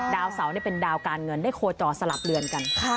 ดาวเสาเป็นดาวการเงินได้โคจรสลับเรือนกัน